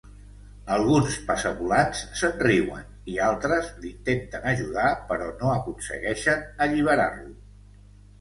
Alguns passavolants se'n riuen i altres l'intenten ajudar però no aconsegueixen alliberar-lo.